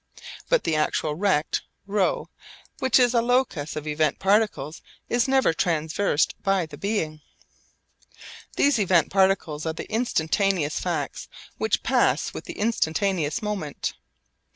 But the actual rect ρ which is a locus of event particles is never traversed by the being. These event particles are the instantaneous facts which pass with the instantaneous moment.